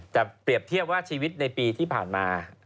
แต่เปรียบเทียบว่าชีวิตในปีที่ผ่านมา